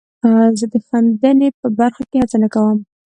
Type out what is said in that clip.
زه د خندنۍ په برخه کې هڅه نه کوم.